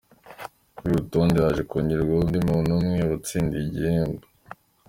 Kuri uru rutonde haje kongerwaho undi muntu umwe watsindiye igihembo.